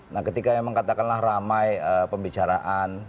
nah ketika memang katakanlah ramai pembicaraan